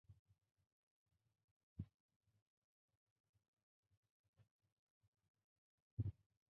তথ্যপ্রযুক্তি দূর করেছে নিকট, পরকে করেছে আপন, দূরের প্রশ্নপত্রকে কাছে আনছে দ্রুত।